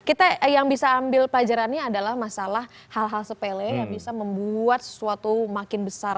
kita yang bisa ambil pelajarannya adalah masalah hal hal sepele yang bisa membuat sesuatu makin besar